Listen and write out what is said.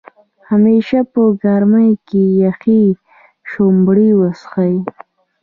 همیشه په ګرمۍ کې يخې شړومبۍ وڅښئ